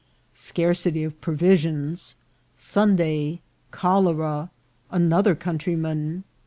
— Scarcity of Provisions. — Sunday.— Cholera. — Another Countryman.